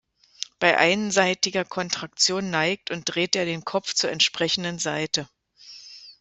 Bei einseitiger Kontraktion neigt und dreht er den Kopf zur entsprechenden Seite.